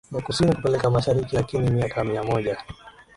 ya Kusini kupeleka Mashariki lakini miaka miamoja